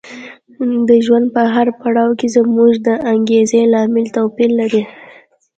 د ژوند په هر پړاو کې زموږ د انګېزې لامل توپیر لري.